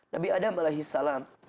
nabi adam alaihi salam